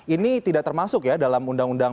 ini tidak termasuk ya dalam undang undang